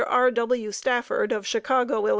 R. W. Stafford of Chicago, Ill.